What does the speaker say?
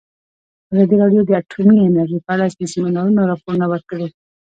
ازادي راډیو د اټومي انرژي په اړه د سیمینارونو راپورونه ورکړي.